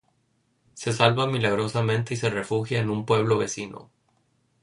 Se salva milagrosamente y se refugia en un pueblo vecino.